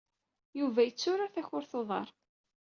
Yuba yetturar takurt n uḍar.